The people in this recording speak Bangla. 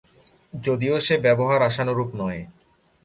যদিও সে ব্যবহার আশানুরূপ নয়।